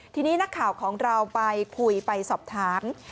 ทีนี้นักข่าวของเราไปคุยไปสอบถาม